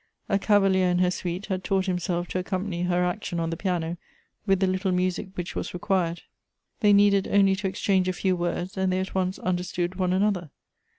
A cavalier in her suite had taught himself to accompany her action on the piano with the little music which was required ; they needed only to exchange a few words and they at once understood one another.